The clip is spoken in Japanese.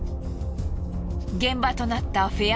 現場となったフェア